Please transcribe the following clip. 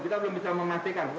kita belum bisa memastikan